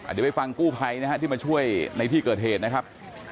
เดี๋ยวไปฟังกู้ภัยนะฮะที่มาช่วยในที่เกิดเหตุนะครับ